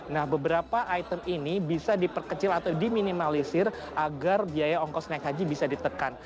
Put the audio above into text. nah beberapa item ini bisa diperkecil atau diminimalisir agar biaya ongkos naik haji bisa ditekan